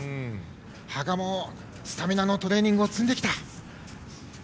羽賀もスタミナのトレーニングを積んできた。